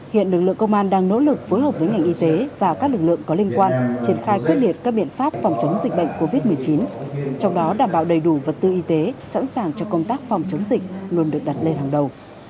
hiện lực lượng công an đang nỗ lực phối hợp với ngành y tế và các lực lượng có liên quan triển khai quyết liệt các biện pháp phòng chống dịch bệnh covid một mươi chín trong đó đảm bảo đầy đủ vật tư y tế sẵn sàng cho công tác phòng chống dịch luôn được đặt lên hàng đầu